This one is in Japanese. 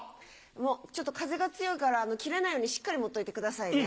ちょっと風が強いから切れないようにしっかり持っといてくださいね。